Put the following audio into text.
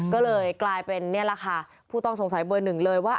ก็เลยกลายเป็นนี่แหละค่ะผู้ต้องสงสัยเบอร์หนึ่งเลยว่า